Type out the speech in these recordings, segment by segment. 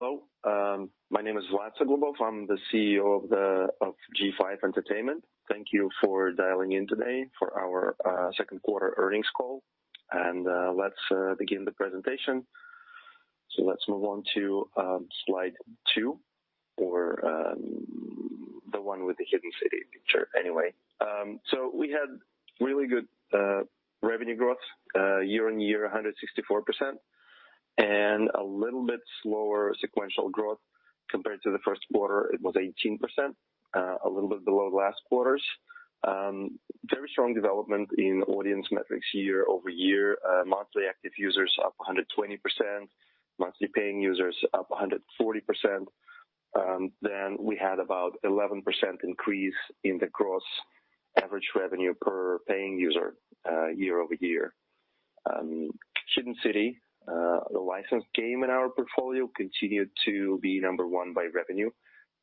Hello. My name is Vlad Suglobov. I'm the CEO of G5 Entertainment. Thank you for dialing in today for our second quarter earnings call. Let's begin the presentation. Let's move on to slide two or the one with the Hidden City picture, anyway. We had really good revenue growth year-on-year, 164%, and a little bit slower sequential growth compared to the first quarter. It was 18%, a little bit below last quarter's. Very strong development in audience metrics year-over-year. Monthly active users up 120%, monthly paying users up 140%. We had about 11% increase in the gross average revenue per paying user, year-over-year. Hidden City, the licensed game in our portfolio, continued to be number one by revenue,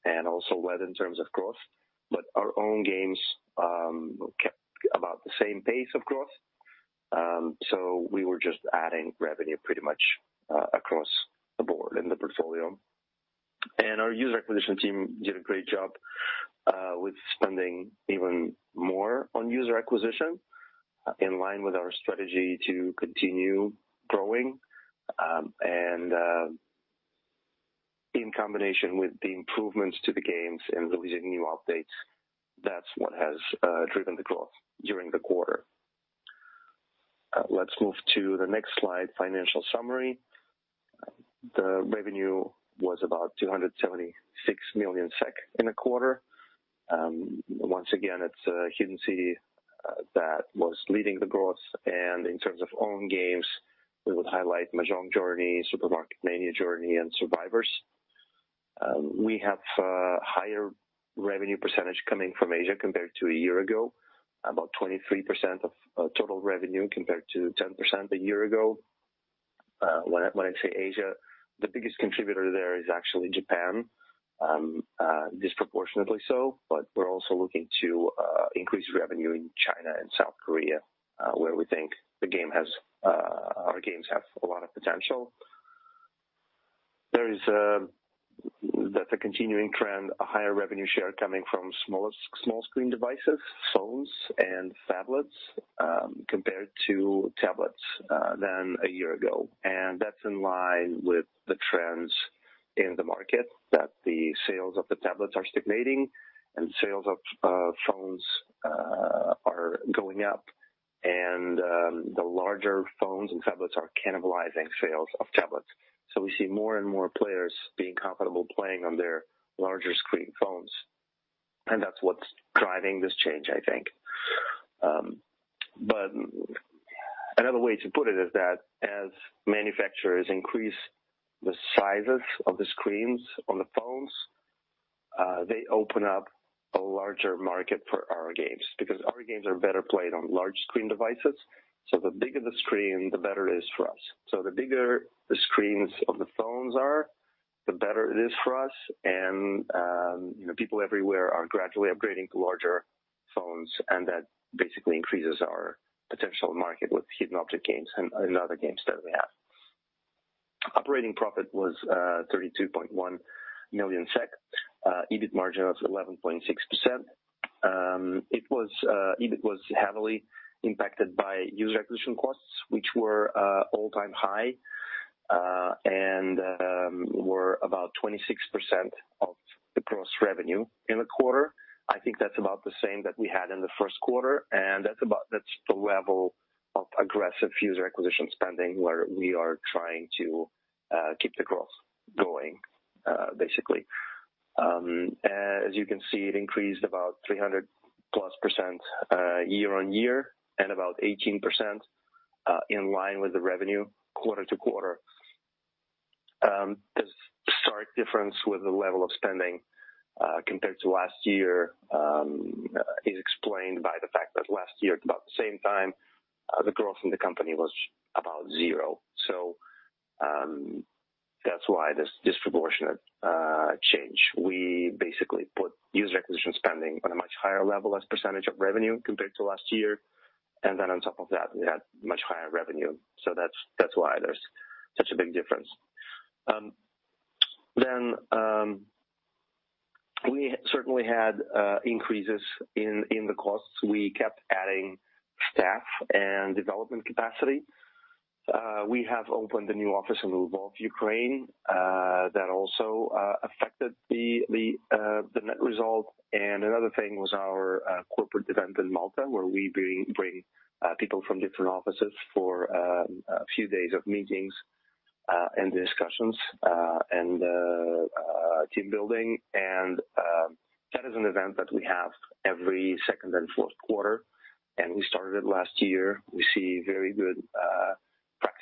and also led in terms of growth. Our own games kept about the same pace of growth. We were just adding revenue pretty much across the board in the portfolio. Our user acquisition team did a great job with spending even more on user acquisition, in line with our strategy to continue growing. In combination with the improvements to the games and releasing new updates, that's what has driven the growth during the quarter. Let's move to the next slide, financial summary. The revenue was about 276 million SEK in a quarter. Once again, it's Hidden City that was leading the growth, and in terms of own games, we would highlight Mahjong Journey, Supermarket Mania Journey, and Survivors. We have a higher revenue percentage coming from Asia compared to a year ago, about 23% of total revenue compared to 10% a year ago. When I say Asia, the biggest contributor there is actually Japan, disproportionately so, but we're also looking to increase revenue in China and South Korea, where we think our games have a lot of potential. There is a continuing trend, a higher revenue share coming from small screen devices, phones and phablets, compared to tablets than a year ago. That's in line with the trends in the market that the sales of the tablets are stagnating and sales of phones are going up, and the larger phones and phablets are cannibalizing sales of tablets. We see more and more players being comfortable playing on their larger screen phones. That's what's driving this change, I think. Another way to put it is that as manufacturers increase the sizes of the screens on the phones, they open up a larger market for our games because our games are better played on large screen devices. The bigger the screen, the better it is for us. The bigger the screens of the phones are, the better it is for us, and people everywhere are gradually upgrading to larger phones and that basically increases our potential market with hidden object games and other games that we have. Operating profit was 32.1 million SEK, EBIT margin of 11.6%. EBIT was heavily impacted by user acquisition costs which were all-time high, and were about 26% of the gross revenue in the quarter. I think that's about the same that we had in the first quarter. That's the level of aggressive user acquisition spending where we are trying to keep the growth going basically. As you can see, it increased about 300-plus % year-over-year and about 18% in line with the revenue quarter-over-quarter. This stark difference with the level of spending compared to last year is explained by the fact that last year at about the same time, the growth in the company was about zero. That's why this disproportionate change. We basically put user acquisition spending on a much higher level as % of revenue compared to last year. On top of that, we had much higher revenue. That's why there's such a big difference. We certainly had increases in the costs. We kept adding staff and development capacity. We have opened a new office in Lviv, Ukraine. That also affected the net result. Another thing was our corporate event in Malta where we bring people from different offices for a few days of meetings and discussions and team building. That is an event that we have every second and fourth quarter and we started it last year. We see very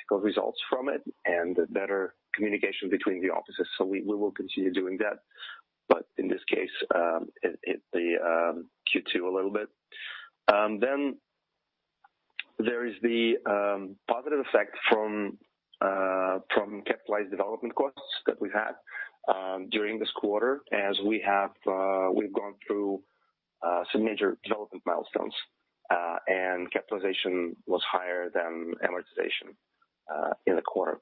good practical results from it and better communication between the offices so we will continue doing that. In this case, it hit the Q2 a little bit. There is the positive effect from capitalized development costs that we had during this quarter as we've gone through Some major development milestones and capitalization was higher than amortization in the quarter.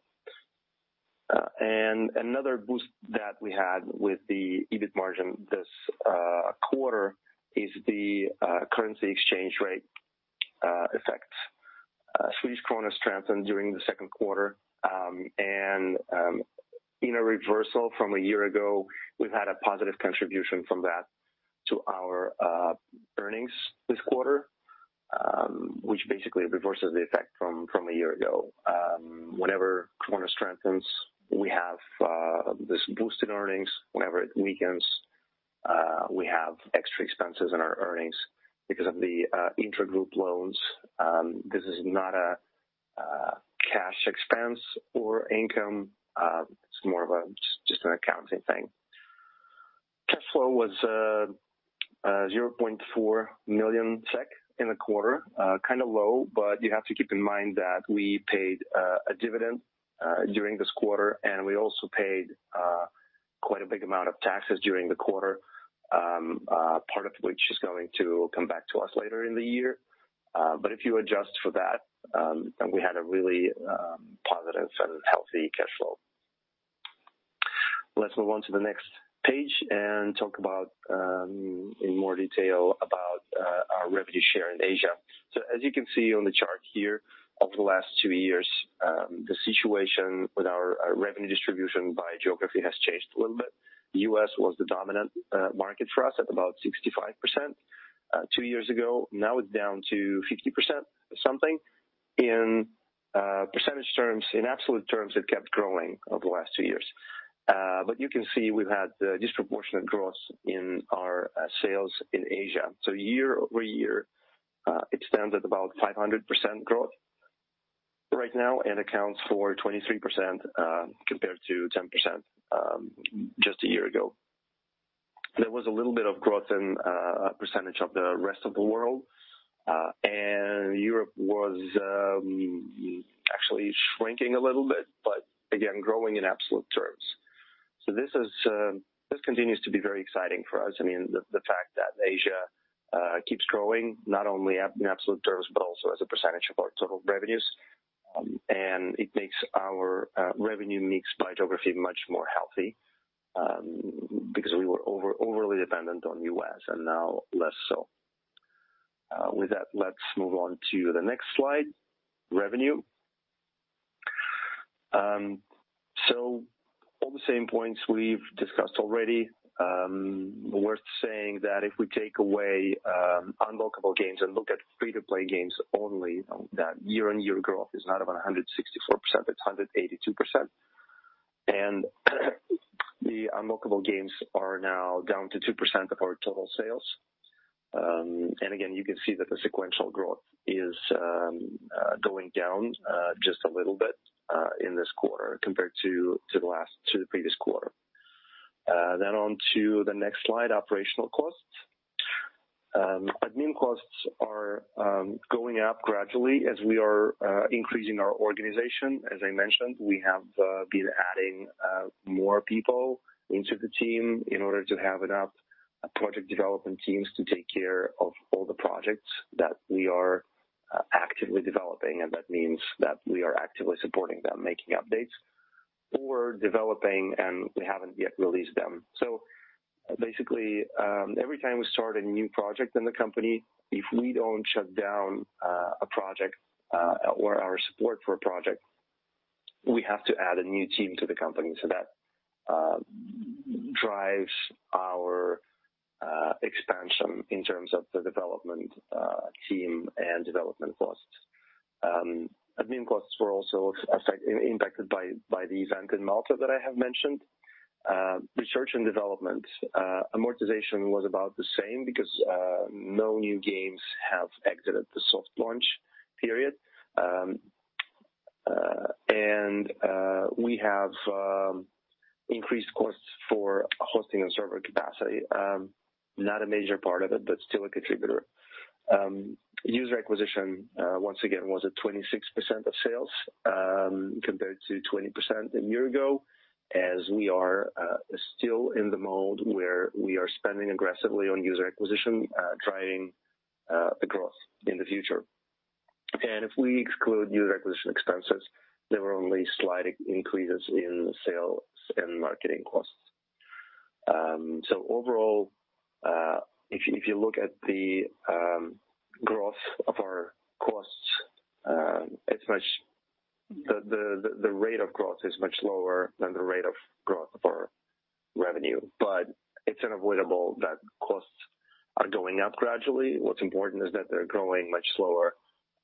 Another boost that we had with the EBIT margin this quarter is the currency exchange rate effects. Swedish krona strengthened during the second quarter. In a reversal from a year ago, we've had a positive contribution from that to our earnings this quarter, which basically reverses the effect from a year ago. Whenever krona strengthens, we have this boost in earnings. Whenever it weakens, we have extra expenses in our earnings because of the intragroup loans. This is not a cash expense or income. It's more of just an accounting thing. Cash flow was 0.4 million SEK in the quarter, kind of low. You have to keep in mind that we paid a dividend during this quarter. We also paid quite a big amount of taxes during the quarter, part of which is going to come back to us later in the year. If you adjust for that, we had a really positive and healthy cash flow. Let's move on to the next page and talk in more detail about our revenue share in Asia. As you can see on the chart here, over the last two years, the situation with our revenue distribution by geography has changed a little bit. U.S. was the dominant market for us at about 65% two years ago. Now it's down to 50% something. In absolute terms, it kept growing over the last two years. You can see we've had disproportionate growth in our sales in Asia. Year-over-year, it stands at about 500% growth right now and accounts for 23% compared to 10% just a year ago. There was a little bit of growth in % of the rest of the world, and Europe was actually shrinking a little bit, but again, growing in absolute terms. This continues to be very exciting for us. The fact that Asia keeps growing, not only in absolute terms, but also as a percentage of our total revenues. It makes our revenue mix by geography much more healthy, because we were overly dependent on U.S., and now less so. With that, let's move on to the next slide, revenue. All the same points we've discussed already. Worth saying that if we take away unlockable games and look at free-to-play games only, that year-on-year growth is not about 164%, it's 182%. The unlockable games are now down to 2% of our total sales. Again, you can see that the sequential growth is going down just a little bit in this quarter compared to the previous quarter. On to the next slide, operational costs. Admin costs are going up gradually as we are increasing our organization. As I mentioned, we have been adding more people into the team in order to have enough project development teams to take care of all the projects that we are actively developing. That means that we are actively supporting them, making updates or developing, and we haven't yet released them. Basically, every time we start a new project in the company, if we don't shut down a project or our support for a project, we have to add a new team to the company. That drives our expansion in terms of the development team and development costs. Admin costs were also impacted by the event in Malta that I have mentioned. Research and development amortization was about the same because no new games have exited the soft launch period. We have increased costs for hosting and server capacity. Not a major part of it, but still a contributor. User acquisition, once again, was at 26% of sales, compared to 20% a year ago, as we are still in the mode where we are spending aggressively on user acquisition, driving the growth in the future. If we exclude new acquisition expenses, there were only slight increases in sales and marketing costs. Overall, if you look at the growth of our costs, the rate of growth is much lower than the rate of growth of our revenue. It's unavoidable that costs are going up gradually. What's important is that they're growing much slower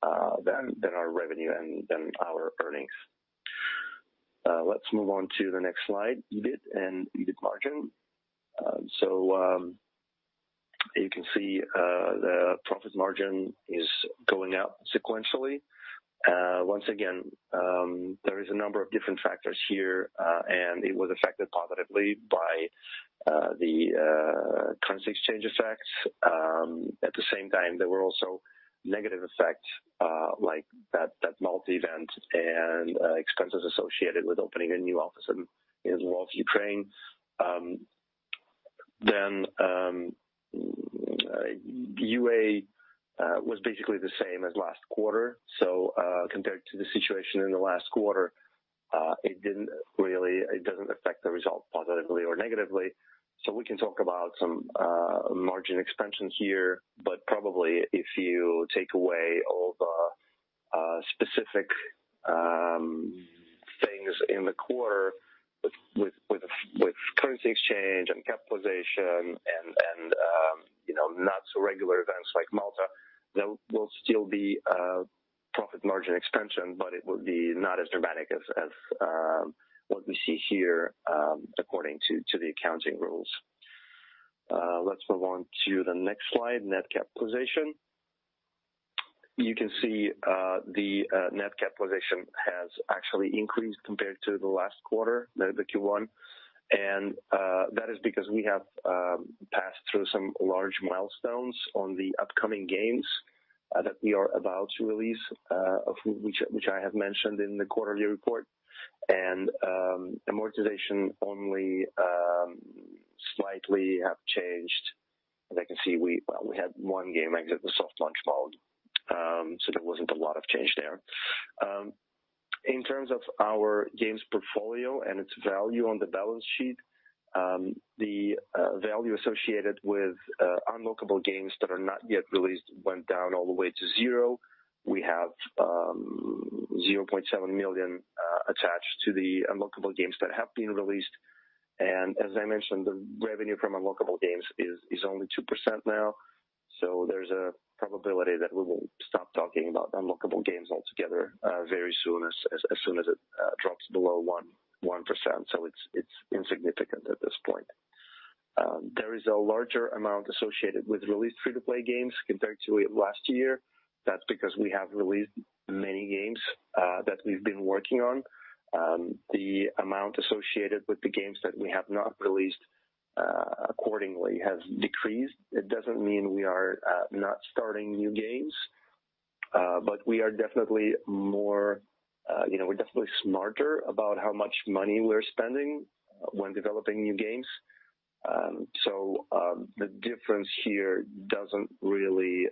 than our revenue and than our earnings. Let's move on to the next slide, EBIT and EBIT margin. You can see the profit margin is going up sequentially. Once again, there is a number of different factors here, and it was affected positively by the currency exchange effects. At the same time, there were also negative effect like that Malta event and expenses associated with opening a new office in Lviv, Ukraine. UA was basically the same as last quarter. Compared to the situation in the last quarter, it doesn't affect the result positively or negatively. We can talk about some margin expansion here, but probably if you take away all the specific things in the quarter with currency exchange and capitalization and not so regular events like Malta, there will still be a profit margin expansion, but it would be not as dramatic as what we see here according to the accounting rules. Let's move on to the next slide, net capitalization. You can see the net capitalization has actually increased compared to the last quarter, the Q1. That is because we have passed through some large milestones on the upcoming games that we are about to release, which I have mentioned in the quarterly report. Amortization only slightly have changed. As I can see, we had one game exit the soft launch mode, so there wasn't a lot of change there. In terms of our games portfolio and its value on the balance sheet, the value associated with unlockable games that are not yet released went down all the way to 0. We have 0.7 million attached to the unlockable games that have been released, and as I mentioned, the revenue from unlockable games is only 2% now. There's a probability that we will stop talking about unlockable games altogether very soon, as soon as it drops below 1%. It's insignificant at this point. There is a larger amount associated with released free-to-play games compared to last year. That's because we have released many games that we've been working on. The amount associated with the games that we have not released accordingly has decreased. It doesn't mean we are not starting new games, but we are definitely smarter about how much money we're spending when developing new games. The difference here doesn't really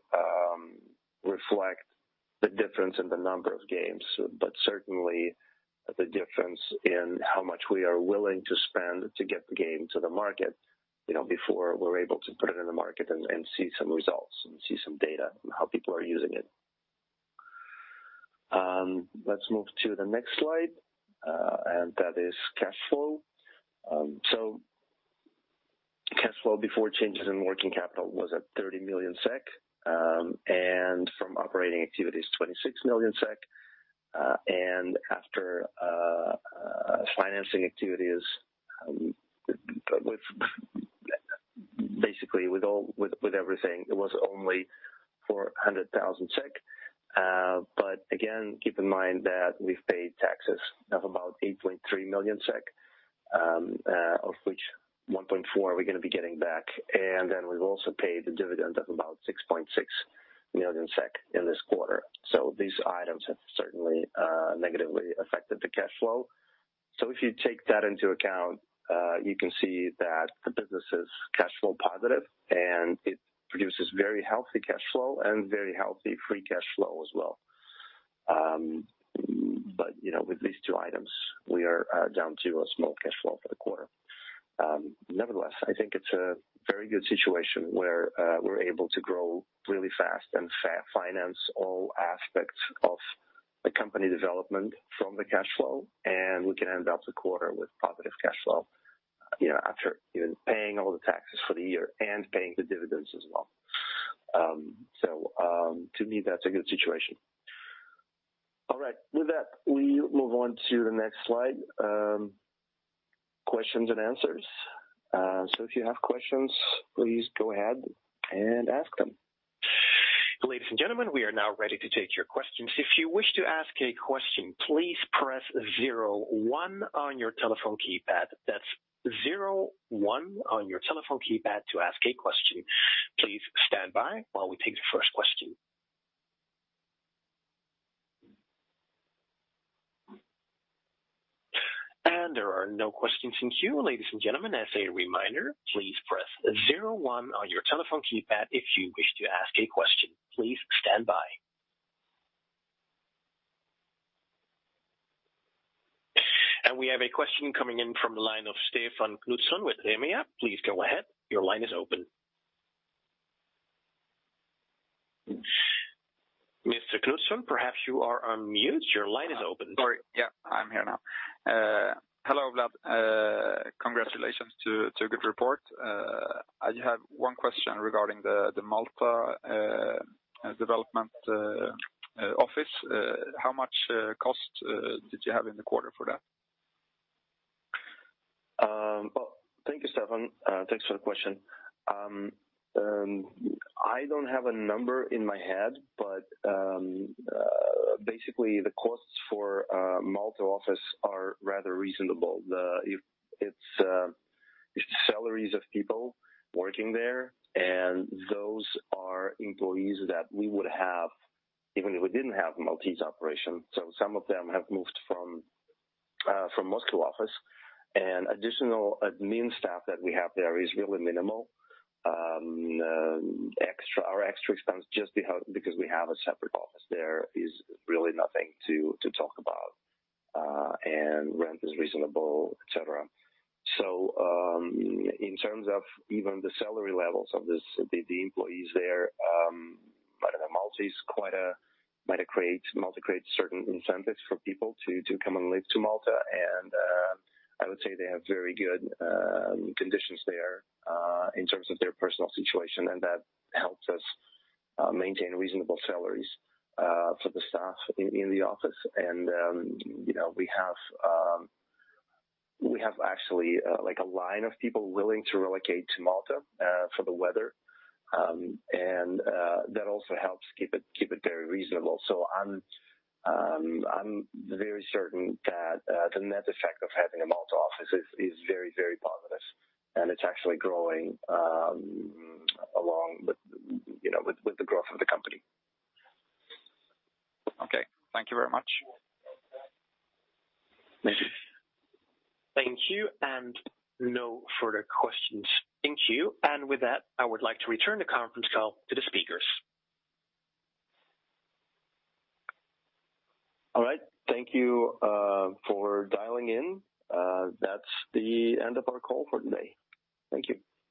reflect the difference in the number of games, but certainly the difference in how much we are willing to spend to get the game to the market before we're able to put it in the market and see some results and see some data on how people are using it. Let's move to the next slide. That is cash flow. Cash flow before changes in working capital was at 30 million SEK. From operating activities, 26 million SEK. After financing activities, basically with everything, it was only 400,000 SEK. Again, keep in mind that we've paid taxes of about 8.3 million SEK, of which 1.4 million we're going to be getting back. We've also paid a dividend of about 6.6 million SEK in this quarter. These items have certainly negatively affected the cash flow. If you take that into account, you can see that the business is cash flow positive, and it produces very healthy cash flow and very healthy free cash flow as well. With these two items, we are down to a small cash flow for the quarter. Nevertheless, I think it's a very good situation where we're able to grow really fast and finance all aspects of the company development from the cash flow. We can end up the quarter with positive cash flow after paying all the taxes for the year and paying the dividends as well. To me, that's a good situation. All right. With that, we move on to the next slide. Questions and answers. If you have questions, please go ahead and ask them. Ladies and gentlemen, we are now ready to take your questions. If you wish to ask a question, please press 01 on your telephone keypad. That's 01 on your telephone keypad to ask a question. Please stand by while we take the first question. There are no questions in queue. Ladies and gentlemen, as a reminder, please press 01 on your telephone keypad if you wish to ask a question. Please stand by. We have a question coming in from the line of Stefan Wikstrand with EMEA Please go ahead. Your line is open. Mr. Wikstrand, perhaps you are on mute. Your line is open. Sorry. Yeah, I'm here now. Hello, Vlad. Congratulations to a good report. I have one question regarding the Malta development office. How much cost did you have in the quarter for that? Thank you, Stefan. Thanks for the question. I don't have a number in my head, but basically the costs for Malta office are rather reasonable. It's salaries of people working there, and those are employees that we would have even if we didn't have Maltese operation. Some of them have moved from Moscow office, and additional admin staff that we have there is really minimal. Our extra expense just because we have a separate office there is really nothing to talk about, and rent is reasonable, et cetera. In terms of even the salary levels of the employees there, Malta creates certain incentives for people to come and live to Malta, and I would say they have very good conditions there in terms of their personal situation, and that helps us maintain reasonable salaries for the staff in the office. We have actually a line of people willing to relocate to Malta for the weather, and that also helps keep it very reasonable. I'm very certain that the net effect of having a Malta office is very positive, and it's actually growing along with the growth of the company. Okay. Thank you very much. Thank you. Thank you, no further questions in queue. With that, I would like to return the conference call to the speakers. All right. Thank you for dialing in. That's the end of our call for today. Thank you.